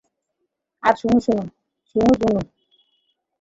আর, Sonu Gopu?